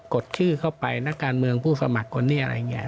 ดชื่อเข้าไปนักการเมืองผู้สมัครคนนี้อะไรอย่างนี้